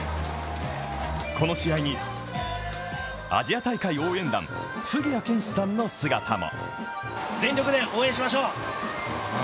この試合に、アジア大会応援団・杉谷拳士さんの姿も。